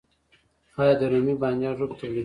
آیا د رومي بانجان رب تولیدوو؟